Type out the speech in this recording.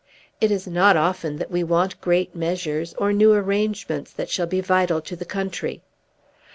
It is not often that we want great measures, or new arrangements that shall be vital to the country.